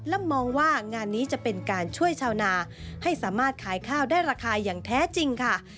และมองว่างานนี้จะเป็นการช่วยชาวนาให้สามารถขายข้าวได้ราคาอย่างแท้จริงค่ะ